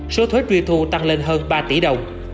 số thuế truy thu tăng lên hơn ba tỷ đồng